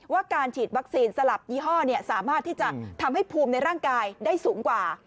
ว่าการฉีดวัคซีนสลับยี่ห้อสามารถที่จะทำให้ภูมิในร่างกายได้สูงกว่า